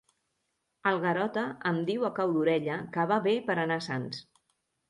El Garota em diu a cau d'orella que va bé per anar a Sants.